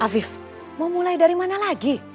afif mau mulai dari mana lagi